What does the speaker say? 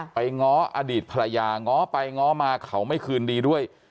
ง้ออดีตภรรยาง้อไปง้อมาเขาไม่คืนดีด้วย